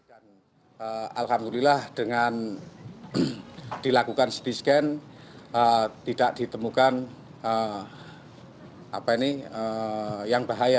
alhamdulillah dengan dilakukan ct scan tidak ditemukan yang bahaya